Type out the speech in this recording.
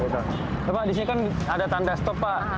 loh pak disini kan ada tanda stop pak